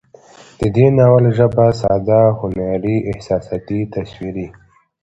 د دې ناول ژبه ساده، هنري، احساساتي، تصويري